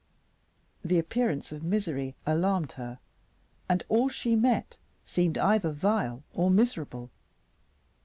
The appearance of misery alarmed her, and all she met seemed either vile or miserable.